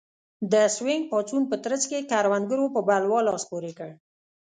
د سوینګ پاڅون په ترڅ کې کروندګرو په بلوا لاس پورې کړ.